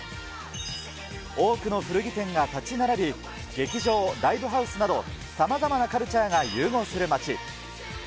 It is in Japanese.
多くの古着店が建ち並び、劇場、ライブハウスなど、さまざまなカルチャーが融合する街。